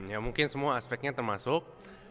ya mungkin semua aspeknya termasuk